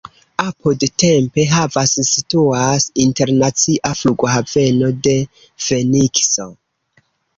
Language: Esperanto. Apud Tempe havas situas internacia flughaveno de Fenikso.